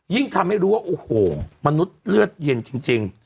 ทำให้รู้ว่าโอ้โหมนุษย์เลือดเย็นจริง